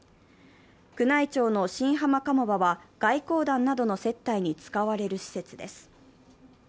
宮内庁の新浜鴨場は、外交団などの接待に使われる施設です。